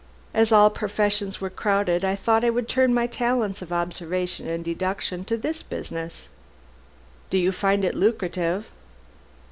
As all professions were crowded, I thought I would turn my talents of observation and deduction to this business." "Do you find it lucrative?"